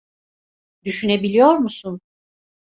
Düşünebiliyor musun?